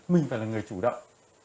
mình phải là người chủ động